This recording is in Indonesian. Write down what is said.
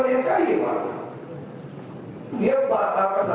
ini kan jalan pak